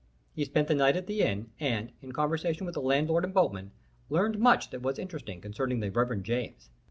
He spent the night at the inn, and, in conversation with the landlord and boatmen, learned much that was interesting concerning the Reverend James.